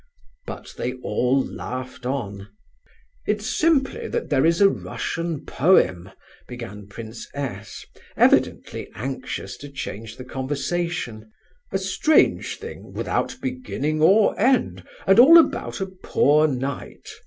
But they all laughed on. "It's simply that there is a Russian poem," began Prince S., evidently anxious to change the conversation, "a strange thing, without beginning or end, and all about a 'poor knight.